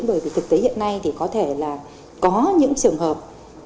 bởi vì thực tế hiện nay thì có thể là có những trường hợp